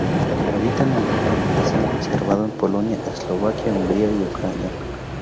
Habita en Europa, donde se han observado en Polonia, Eslovaquia, Hungría, y Ucrania.